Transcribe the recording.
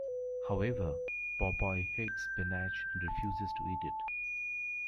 However, Popeye hates spinach and refuses to eat it.